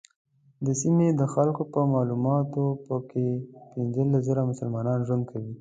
د سیمې د خلکو په معلوماتو په کې پنځلس زره مسلمانان ژوند کوي.